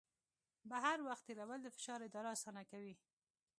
بهر وخت تېرول د فشار اداره اسانه کوي.